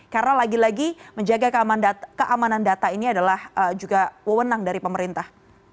karena lagi lagi menjaga keamanan data ini adalah juga wewenang dari pemerintah